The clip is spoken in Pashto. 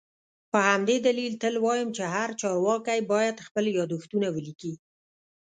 په همدې دلیل تل وایم چي هر چارواکی باید خپل یادښتونه ولیکي